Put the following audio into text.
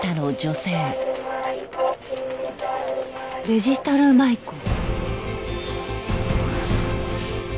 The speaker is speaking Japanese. デジタル舞子？